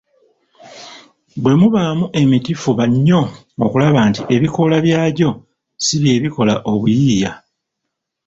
Bwe mubaamu emiti fuba nnyo okulaba nti ebikoola byagyo si bye bikola obuyiiya